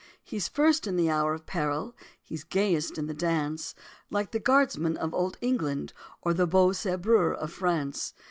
He's first in the hour of peril, He's gayest in the dance, Like the guardsman of old England Or the beau sabreur of France.